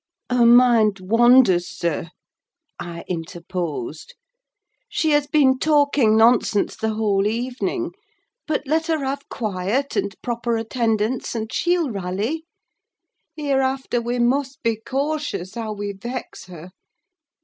"Her mind wanders, sir," I interposed. "She has been talking nonsense the whole evening; but let her have quiet, and proper attendance, and she'll rally. Hereafter, we must be cautious how we vex her."